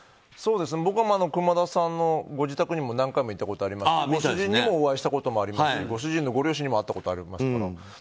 僕は熊田さんのご自宅にも何回も行ったことありますしご主人にもお会いしたことありますしご主人のご両親にも会ったことはありますから。